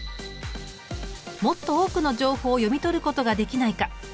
もっと多くの情報を読み取ることができないか？